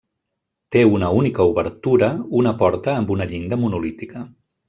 Té una única obertura, una porta amb una llinda monolítica.